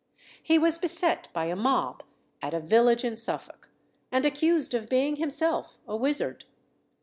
He was beset by a mob at a village in Suffolk, and accused of being himself a wizard.